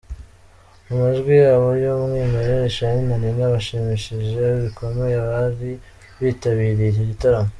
Mu majwi yabo y'umwimerere Charly na Nina bashimishije bikomeye abari bitabiriye iki gitaramo.